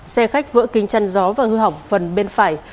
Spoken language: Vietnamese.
xe khách vỡ kính chăn gió và hư hỏng phần bên phải